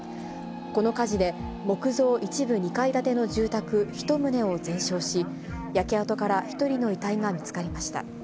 この火事で、木造一部２階建ての住宅１棟を全焼し、焼け跡から１人の遺体が見つかりました。